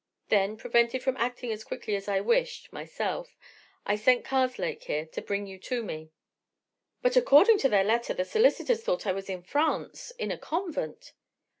Then, prevented from acting as quickly as I wished, myself, I sent Karslake here to bring you to me." "But, according to their letter, the solicitors thought I was in France, in a convent!"